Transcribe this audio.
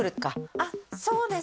あっそうです